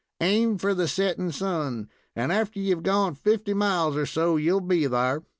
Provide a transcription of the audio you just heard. Aim for the setting sun, and after you've gone fifty miles or so you'll be thar.